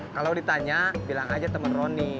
kalau ditanya bilang aja teman roni